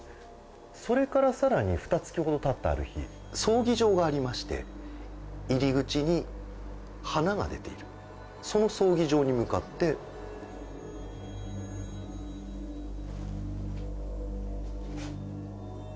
それからさらにふた月ほどたったある日葬儀場がありまして入り口に花が出ているその葬儀場に向かってやっぱりだ